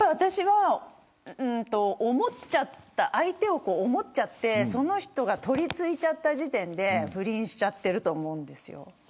私は相手を思っちゃってその人がとりついちゃった時点で不倫しちゃってると思うんです。